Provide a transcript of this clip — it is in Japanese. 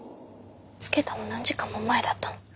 つけたの何時間も前だったのに。